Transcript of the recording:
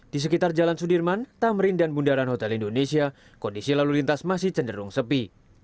di sekitar jalan sudirman tamrin dan bundaran hotel indonesia kondisi lalu lintas masih cenderung sepi